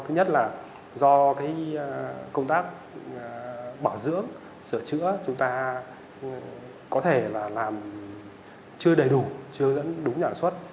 thứ nhất là do công tác bảo dưỡng sửa chữa chúng ta có thể làm chưa đầy đủ chưa đúng nhảy suất